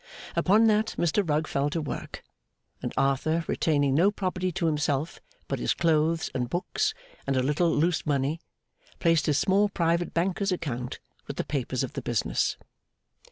Upon that, Mr Rugg fell to work; and Arthur, retaining no property to himself but his clothes and books, and a little loose money, placed his small private banker's account with the papers of the business.